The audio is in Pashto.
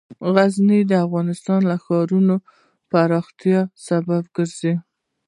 غزني د افغانستان د ښاري پراختیا سبب کېږي.